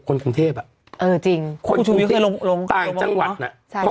คนกรุงเทพฯเออจริงคุณซูโยยเคยลงลงต่างจังหวัดน่ะ